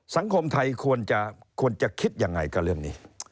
สังคมไทยควรจะคิดยังไงกับเรื่องนี้